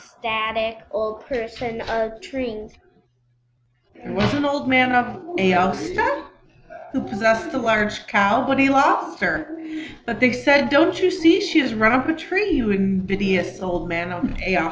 There was an Old Man of Aôsta Who possessed a large Cow, but he lost her; But they said, "Don't you see she has run up a tree, You invidious Old Man of Aôsta?"